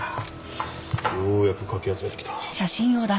ようやくかき集めてきた。